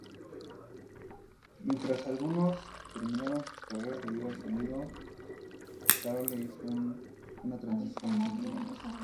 Mientras algunos terminaron sus carreras debido al sonido, Carole hizo una transición sin problemas.